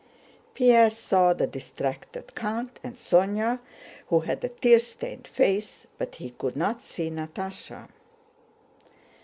Pierre saw the distracted count, and Sónya, who had a tear stained face, but he could not see Natásha.